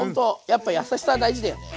やっぱ優しさは大事だよね。